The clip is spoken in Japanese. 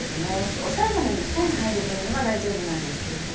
押さえ金の下に入る分には大丈夫なんですけれども。